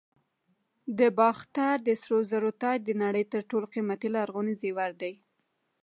د باختر د سرو زرو تاج د نړۍ تر ټولو قیمتي لرغوني زیور دی